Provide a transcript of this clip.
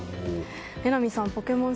榎並さん「ポケモン」